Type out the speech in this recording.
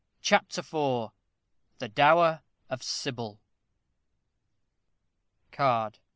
CHAPTER IV THE DOWER OF SYBIL _Card.